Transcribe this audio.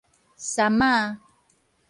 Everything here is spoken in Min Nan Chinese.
杉仔